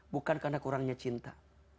bukan karena kurangnya cinta